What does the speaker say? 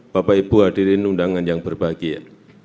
bapak ibu hadirin undangan yang berbahagia